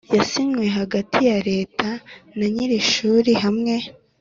yasinywe hagati ya Leta na nyir ishuri hamwe